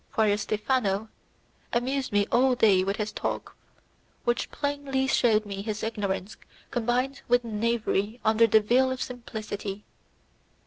Friar Stephano amused me all day with his talk, which plainly showed me his ignorance combined with knavery under the veil of simplicity.